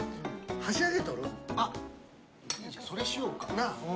それしようか。